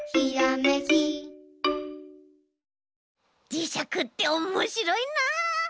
じしゃくっておもしろいな。